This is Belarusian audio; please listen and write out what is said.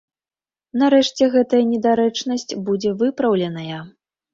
Нарэшце гэтая недарэчнасць будзе выпраўленая.